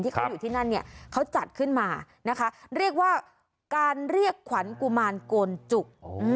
เขาอยู่ที่นั่นเนี่ยเขาจัดขึ้นมานะคะเรียกว่าการเรียกขวัญกุมารโกนจุก